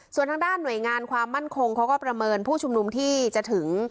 ส่วนทางด้านหน่วยงานความมั่นคงเขาก็ประเมินผู้ชุมนุมที่จะถึง